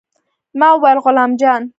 ما وويل غلام جان.